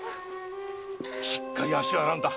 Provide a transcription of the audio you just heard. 〔しっかり足を洗うんだ。